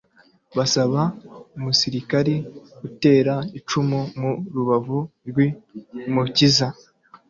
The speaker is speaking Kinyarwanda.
basaba umusirikari gutera icumu mu rubavu rw'Umukiza.